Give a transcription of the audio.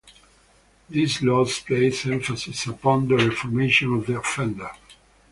These laws place emphasis upon the reformation of the offender.